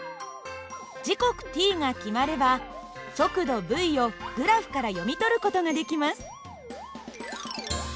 時刻ｔが決まれば速度υをグラフから読み取る事ができます。